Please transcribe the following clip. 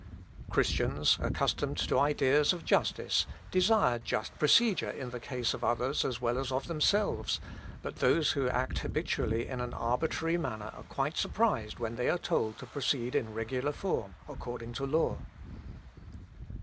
Christians, accustomed to ideas of justice, desire just procedure in the case of others as well as of themselves, but those who act habitually in an arbitrary manner are quite surprised when they are told to proceed in regular form, according to law.